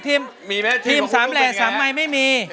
ทีม๓แหล๓ไมไม่มี